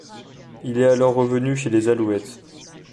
Il est alors revenu chez les Alouettes.